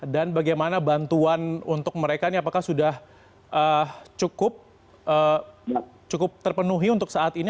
dan bagaimana bantuan untuk mereka ini apakah sudah cukup terpenuhi untuk saat ini